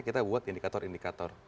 kita buat indikator indikator